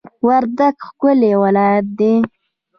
وردګ ښکلی ولایت دی